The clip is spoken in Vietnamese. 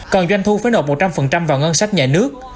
còn doanh thu phải nộp một trăm linh vào ngân sách nhà nước